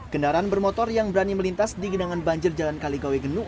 kendaraan bermotor yang berani melintas di genangan banjir jalan kaligawe genuk